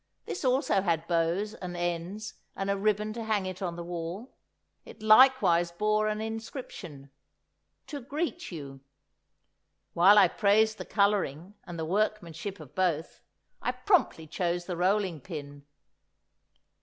This also had bows and ends and a ribbon to hang it on the wall; it likewise bore an inscription: "TO GREET YOU." While I praised the colouring, and the workmanship of both, I promptly chose the rolling pin.